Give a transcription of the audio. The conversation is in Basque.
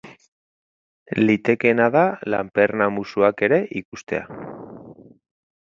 Litekeena da lanperna-musuak ere ikustea.